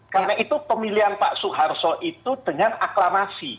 karena itu pemilihan pak soeharsol itu dengan aklamasi